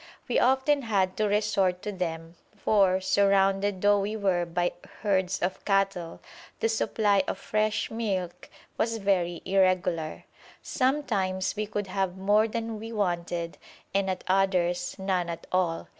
We often had to resort to them, for, surrounded though we were by herds of cattle, the supply of fresh milk was very irregular: sometimes we could have more than we wanted and at others none at all.